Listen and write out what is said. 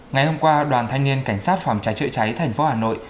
ngày hôm qua đoàn thanh niên cảnh sát phòng trái trợ cháy tp hà nội